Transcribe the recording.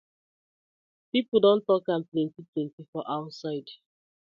Pipu don tok am plenty plenty for outside.